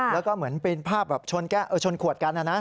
แล้วก็เหมือนเป็นภาพแบบชนแก๊ะเออชนขวดกันนะนะ